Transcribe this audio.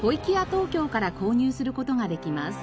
東京から購入する事ができます。